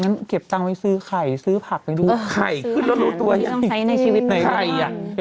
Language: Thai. งั้นเก็บเงินไปซื้อไข่ซื้อผักไปดูขายขึ้นแล้วรู้ตัวอย่างนี้ในไข่อ่ะ